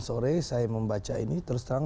sore saya membaca ini terus terang